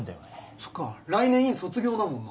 そっか来年院卒業だもんな。